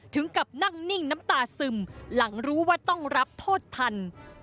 ถึงกับนั่งนิ่งน้ำตาซึมหลังรู้ว่าต้องรับโทษทัน